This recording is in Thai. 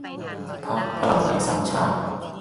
พรรคพลังไทสร้างชาติ